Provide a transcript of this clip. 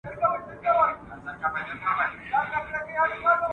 په لاس خط لیکل د انسانانو ترمنځ اړیکي پیاوړي کوي.